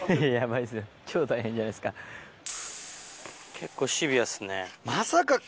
結構シビアっすね。